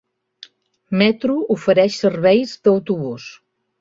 Metro ofereix serveis d'autobús.